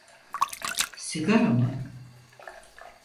Sigara mı?